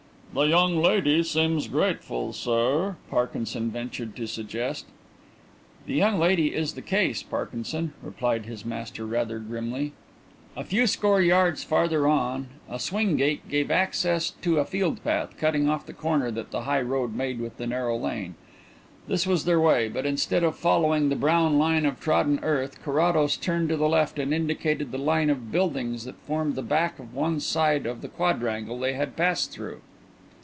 "The young lady seems grateful, sir," Parkinson ventured to suggest. "The young lady is the case, Parkinson," replied his master rather grimly. A few score yards farther on a swing gate gave access to a field path, cutting off the corner that the high road made with the narrow lane. This was their way, but instead of following the brown line of trodden earth Carrados turned to the left and indicated the line of buildings that formed the back of one side of the quadrangle they had passed through.